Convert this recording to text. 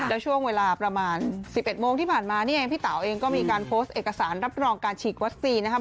แล้วช่วงเวลาประมาณ๑๑โมงที่ผ่านมานี่เองพี่เต๋าเองก็มีการโพสต์เอกสารรับรองการฉีดวัคซีนนะครับ